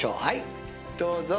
どうぞ。